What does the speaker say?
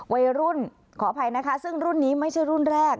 ขออภัยนะคะซึ่งรุ่นนี้ไม่ใช่รุ่นแรก